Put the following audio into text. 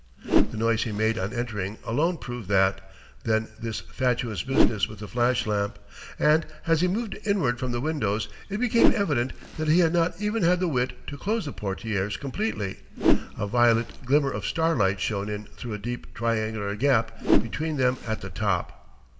The noise he made on entering alone proved that, then this fatuous business with the flash lamp. And as he moved inward from the windows it became evident that he had not even had the wit to close the portières completely; a violet glimmer of starlight shone in through a deep triangular gap between them at the top.